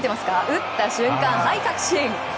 打った瞬間、はい、確信！